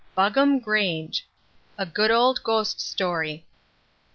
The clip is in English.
Buggam Grange: A Good Old Ghost Story.